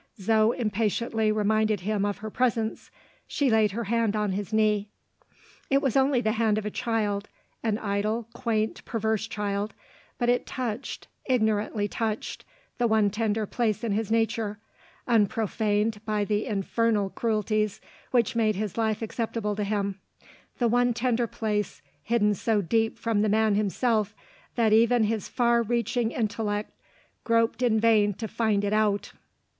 Zo impatiently reminded him of her presence she laid her hand on his knee. It was only the hand of a child an idle, quaint, perverse child but it touched, ignorantly touched, the one tender place in his nature, unprofaned by the infernal cruelties which made his life acceptable to him; the one tender place, hidden so deep from the man himself, that even his far reaching intellect groped in vain to find it out.